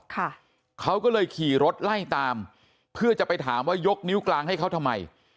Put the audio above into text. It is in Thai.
ค่ะเขาก็เลยขี่รถไล่ตามเพื่อจะไปถามว่ายกนิ้วกลางให้เขาทำไม